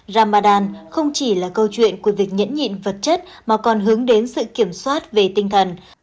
ramadan không chỉ là câu chuyện của việc nhẫn nhịn vật chất mà còn hướng đến sự kiểm soát về tinh thần